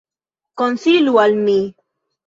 Konsilu al mi.